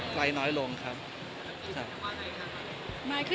คุณสร้างแบบไหนครับ